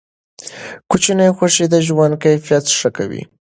کوچني خوښۍ د ژوند کیفیت ښه کوي.